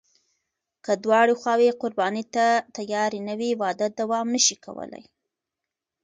که دواړه خواوې قرباني ته تیارې نه وي، واده دوام نشي کولی.